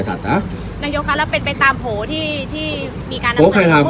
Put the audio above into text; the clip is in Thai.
นางหญ้องคะแล้วเป็นไปตามโผที่ที่มีการน้ำที่เมื่อหวานเนี้ยค่ะโผ